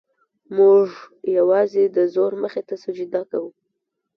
موږ یوازې د زور مخې ته سجده کوو.